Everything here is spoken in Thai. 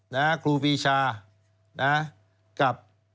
นะครูปีชานะกับ